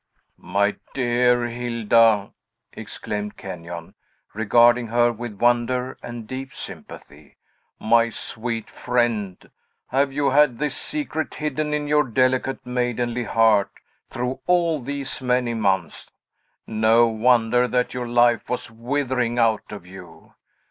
"My dear Hilda!" exclaimed Kenyon, regarding her with wonder and deep sympathy. "My sweet friend, have you had this secret hidden in your delicate, maidenly heart, through all these many months! No wonder that your life was withering out of you."